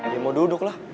dia mau duduk lah